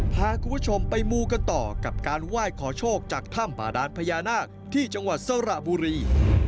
พาคุณผู้ชมไปมูกันต่อกับการไหว้ขอโชคจากถ้ำป่าดานพญานาคที่จังหวัดสระบุรี